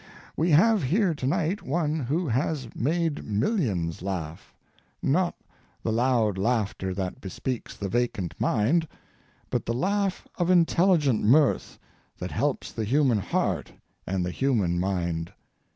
We have here to night one who has made millions laugh not the loud laughter that bespeaks the vacant mind, but the laugh of intelligent mirth that helps the human heart and the human mind.